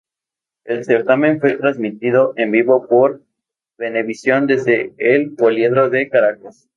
El certamen fue transmitido en vivo por Venevisión desde el Poliedro de Caracas.